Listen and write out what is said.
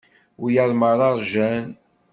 Wiyaḍ merra rjan.